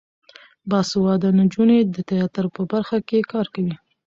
باسواده نجونې د تیاتر په برخه کې کار کوي.